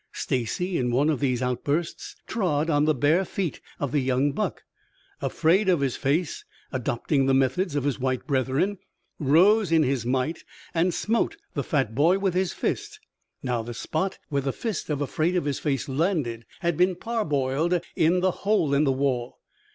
Stacy in one of these outbursts trod on the bare feet of the young buck. Afraid Of His Face, adopting the methods of his white brethren, rose in his might and smote the fat boy with his fist. Now, the spot where the fist of Afraid Of His Face landed had been parboiled in the "Hole In The Wall."